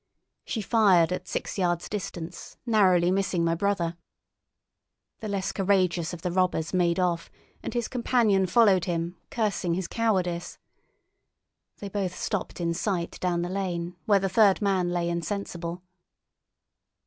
She fired at six yards' distance, narrowly missing my brother. The less courageous of the robbers made off, and his companion followed him, cursing his cowardice. They both stopped in sight down the lane, where the third man lay insensible.